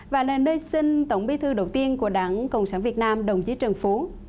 và là nơi sinh tổng bí thư đầu tiên của đảng cộng sản việt nam đồng chí trần phú